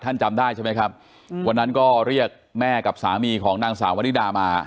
จำได้ใช่ไหมครับวันนั้นก็เรียกแม่กับสามีของนางสาววริดามา